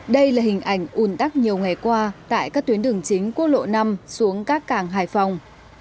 đây là hình ảnh ùn tắc nhiều ngày qua tại các tuyến đường chính quốc lộ năm xuống các cảng hải phòng